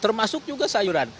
termasuk juga sayuran